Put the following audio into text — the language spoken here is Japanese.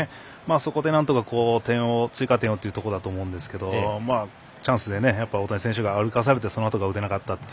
そこで、なんとか追加点をというところだと思うんですがチャンスで、大谷選手が歩かされてそのあとが打てなかったと。